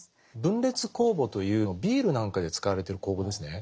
分裂酵母というビールなんかで使われてる酵母ですね。